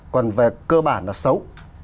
còn về cơ bản là xấu